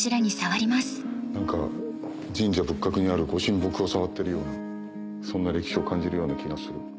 何か神社仏閣にあるご神木を触ってるようなそんな歴史を感じるような気がする。